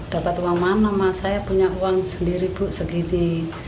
dapat uang mana mas saya punya uang sendiri bu segini